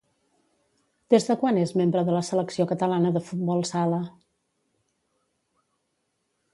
Des de quan és membre de la selecció catalana de futbol sala?